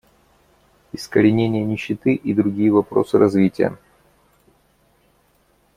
Искоренение нищеты и другие вопросы развития.